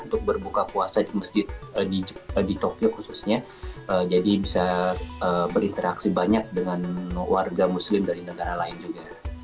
untuk berbuka puasa di masjid di tokyo khususnya jadi bisa berinteraksi banyak dengan warga muslim dari negara lain juga